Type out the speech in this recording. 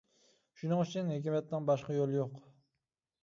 شۇنىڭ ئۈچۈن ھېكمەتنىڭ باشقا يولى يوق.